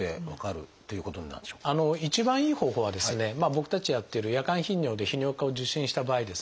僕たちやってる夜間頻尿で泌尿器科を受診した場合ですね